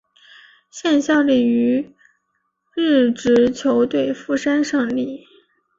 现效力于日职球队富山胜利。